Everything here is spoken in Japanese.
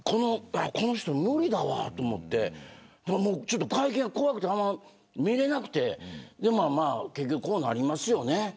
この人無理だわと思って会見怖くてあんまり見れなくて結局、こうなりますよね。